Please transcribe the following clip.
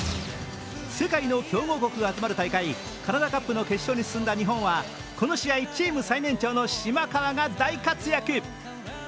世界の強豪国が集まる大会、カナダカップの決勝に進んだ日本はこの試合、チーム最年長の島川が大活躍。